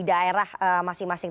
di daerah masing masing